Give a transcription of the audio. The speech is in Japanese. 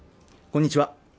こんにちは